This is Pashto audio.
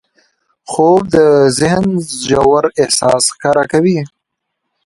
خوب د ذهن ژور احساس ښکاره کوي